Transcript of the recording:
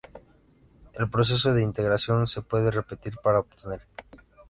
El proceso de integración se puede repetir para obtener